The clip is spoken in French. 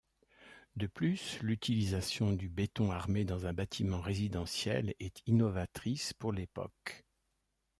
De plus, l’utilisation du béton armé dans un bâtiment résidentiel est innovatrice pour l’époque.